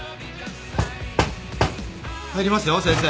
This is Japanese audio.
入りますよ先生。